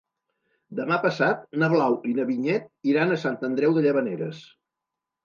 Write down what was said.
Demà passat na Blau i na Vinyet iran a Sant Andreu de Llavaneres.